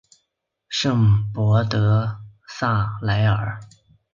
圣波德萨莱尔。